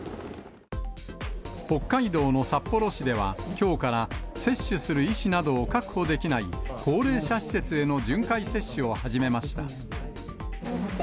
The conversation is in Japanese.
北海道の札幌市ではきょうから接種する医師などを確保できない、高齢者施設への巡回接種を始めました。